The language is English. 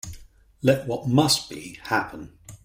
Let what must be, happen.